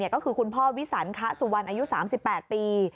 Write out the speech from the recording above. ก็คือคุณพ่อวิสันคะสุวรรณอายุ๓๘ปี